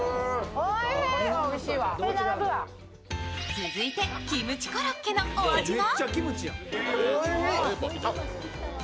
続いてキムチコロッケのお味は？